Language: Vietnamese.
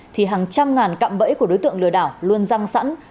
thì hàng trăm ngàn cạm bẫy của đối tượng lừa đảo luôn răng sẵn